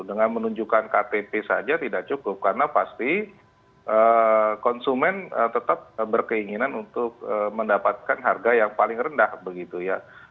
dengan menunjukkan ktp saja tidak cukup karena pasti konsumen tetap berkeinginan untuk mendapatkan harga yang paling rendah begitu ya